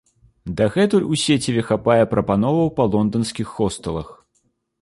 Дагэтуль у сеціве хапае прапановаў па лонданскіх хостэлах.